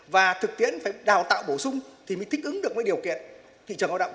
và thực tiễn phải đào tạo bổ sung thì mới thích ứng được với điều kiện thị trường lao động